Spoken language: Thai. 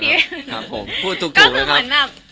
พูดถูกอะครับ